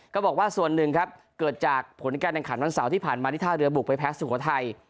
บอกว่าส่วนหนึ่งครับเกิดจากผลการแข่งขันวันเสาร์ที่ผ่านมาที่ท่าเรือบุกไปแพ้สุโขทัย